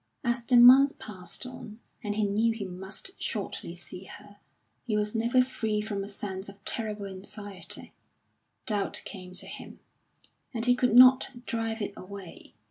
As the months passed on, and he knew he must shortly see her, he was never free from a sense of terrible anxiety. Doubt came to him, and he could not drive it away.